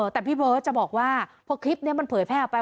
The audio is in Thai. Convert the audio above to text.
แต่พี่เบิร์ตจะบอกว่าพอคลิปนี้มันเผยแพร่ออกไป